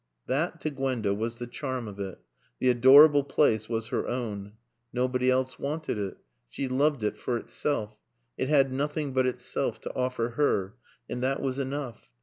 That, to Gwenda, was the charm of it. The adorable place was her own. Nobody else wanted it. She loved it for itself. It had nothing but itself to offer her. And that was enough.